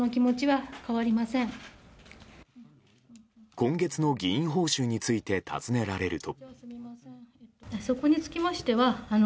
今月の議員報酬について尋ねられると。